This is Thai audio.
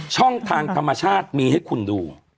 ช่องทางธรรมชาติมีให้คุณดู